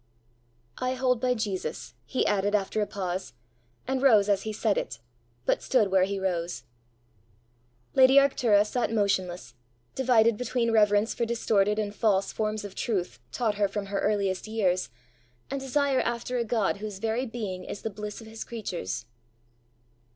"I hold by Jesus!" he added after a pause, and rose as he said it, but stood where he rose. Lady Arctura sat motionless, divided between reverence for distorted and false forms of truth taught her from her earliest years, and desire after a God whose very being is the bliss of his creatures.